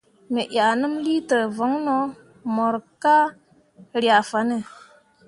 Me ʼyah nəm liiter voŋno mok ka ryah fanne.